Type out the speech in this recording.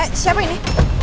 eh siapa ini